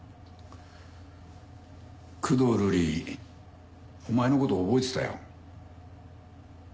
工藤瑠李お前の事覚えてたよ。